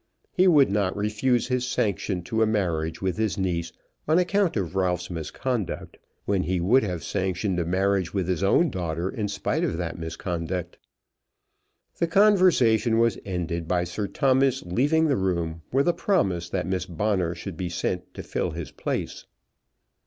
He would not refuse his sanction to a marriage with his niece on account of Ralph's misconduct, when he would have sanctioned a marriage with his own daughter in spite of that misconduct. The conversation was ended by Sir Thomas leaving the room with a promise that Miss Bonner should be sent to fill his place.